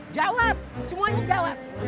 jawab semuanya jawab